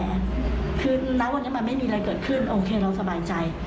คือณวันนี้มันไม่มีอะไรเกิดขึ้นโอเคเราสบายใจ